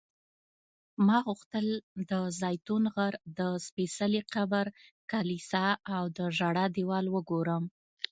ما غوښتل د زیتون غر، د سپېڅلي قبر کلیسا او د ژړا دیوال وګورم.